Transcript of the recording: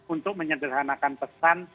untuk menyederhanakan pesan